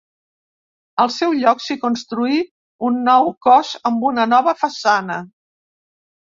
Al seu lloc s'hi construí un nou cos amb una nova façana.